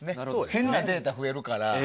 変なデータ増えるから。